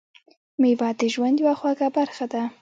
میوه د ژوند یوه خوږه برخه ده.